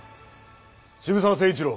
渋沢成一郎。